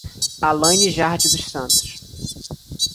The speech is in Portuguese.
Alainy Jardi dos Santos